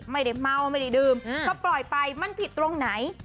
ไม่ได้เมาไม่ได้ดื่มก็ปล่อยไปมันผิดตรงไหน